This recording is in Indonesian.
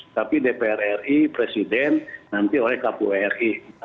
tapi dpr ri presiden nanti oleh kpu ri